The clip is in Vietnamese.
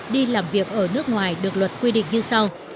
đi làm việc ở nước ngoài được luật quy định như sau